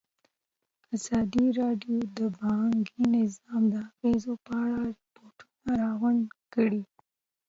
ازادي راډیو د بانکي نظام د اغېزو په اړه ریپوټونه راغونډ کړي.